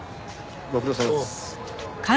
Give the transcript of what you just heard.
ご苦労さまです。